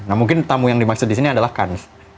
nah mungkin tamu yang dimaksud disini adalah kan